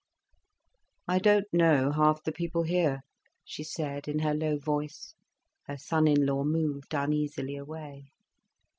"I don't know half the people here," she said, in her low voice. Her son in law moved uneasily away.